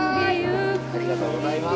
ありがとうございます。